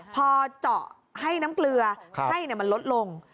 พอเจาะให้น้ำเกลือไข้มันลดลง